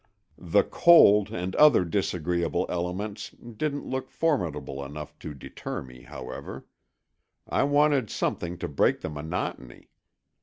The cold and other disagreeable elements didn't look formidable enough to deter me, however; I wanted something to break the monotony.